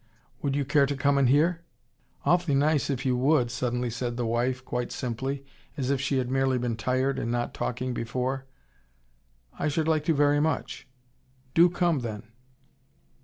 "Would you care to come and hear ?" "Awfully nice if you would " suddenly said the wife, quite simply, as if she had merely been tired, and not talking before. "I should like to very much " "Do come then."